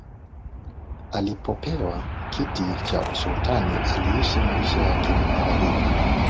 Alipopewa kiti cha usultan aliishi maisha ya kimagharibi